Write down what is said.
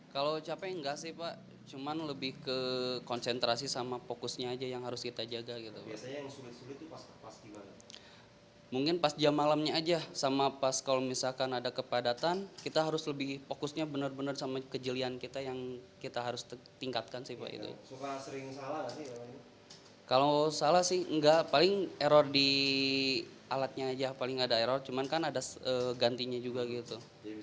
paling error di alatnya aja paling ada error cuman kan ada gantinya juga gitu